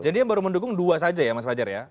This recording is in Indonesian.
jadi yang baru mendukung dua saja ya mas fajar ya